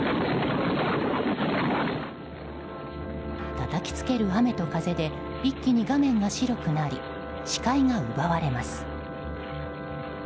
たたき付ける雨と風で一気に画面が白くなり視界が奪われます。